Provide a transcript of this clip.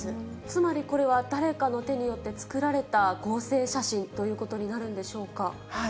つまりこれは、誰かの手によって作られた合成写真ということになるんでしょうか。